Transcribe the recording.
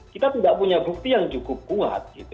kita tidak punya bukti yang cukup kuat